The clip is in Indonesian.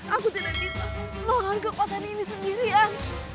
aku tidak bisa menghargai kuatan ini sendirian